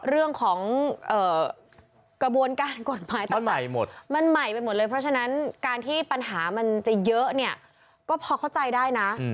เรื่องของกระบวนการกฎหมายตอนนี้มันใหม่ไปหมดเลยเพราะฉะนั้นการที่ปัญหามันจะเยอะเนี่ยก็พอเข้าใจได้นะ